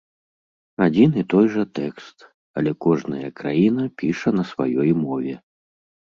Адзін і той жа тэкст, але кожная краіна піша на сваёй мове.